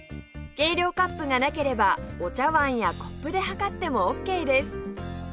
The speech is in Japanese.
計量カップがなければお茶わんやコップで量ってもオーケーです